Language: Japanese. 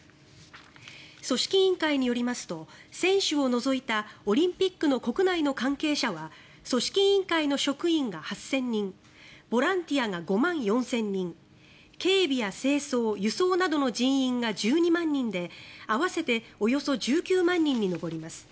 組織委員会によりますと選手を除いたオリンピックの国内の関係者は組織委員会の職員が８０００人ボランティアが５万４０００人警備や清掃、輸送などの人員が１２万人で合わせておよそ１９万人に上ります。